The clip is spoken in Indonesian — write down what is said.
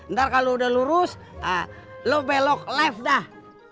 ntar kalau udah lurus lu belok left dah